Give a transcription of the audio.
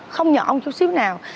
không nhỏ một chút xíu nào